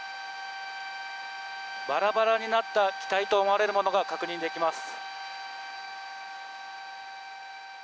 バラバラになった機体と思われるものが確認できます。